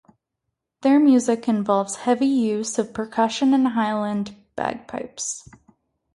Their music involves heavy use of percussion and Highland bagpipes.